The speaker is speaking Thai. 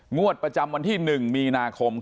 งวดประจำวันที่๑มีนาคม